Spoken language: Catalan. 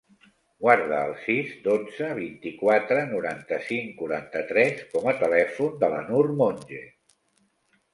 Guarda el sis, dotze, vint-i-quatre, noranta-cinc, quaranta-tres com a telèfon de la Nur Monje.